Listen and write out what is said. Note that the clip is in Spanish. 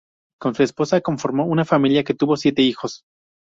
Con su esposa conformó una familia que tuvo siete hijos.